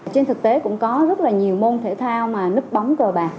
trên thực tế cũng có rất là nhiều môn thể thao mà núp bóng cờ bạc